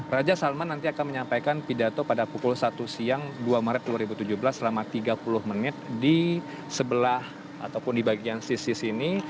raja salman nanti akan menyampaikan pidato pada pukul satu siang dua maret dua ribu tujuh belas selama tiga puluh menit di sebelah ataupun di bagian sisi sini